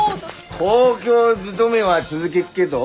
東京勤めは続げっけど？